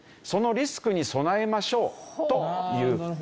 そのリスクに備えましょうという。